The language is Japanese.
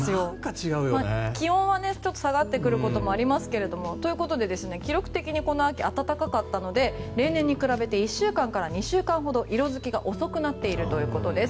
気温が下がってくることはありますけれど記録的にこの秋は暖かかったので例年に比べて１週間から２週間ほど色づきが遅くなっているということです。